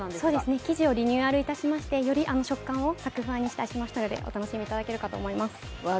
生地をリニューアルいたしまして、よりさくふわにしたのでお楽しみいただけるかと思います。